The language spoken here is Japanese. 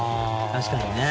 確かにね。